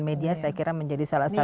media saya kira menjadi salah satu